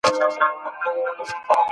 خو دا آزادي بايد د نورو د توهين سبب نسي.